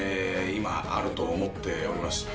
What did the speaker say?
今あると思っております。